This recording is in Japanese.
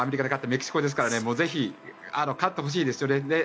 メキシコですからねぜひ勝ってほしいですね。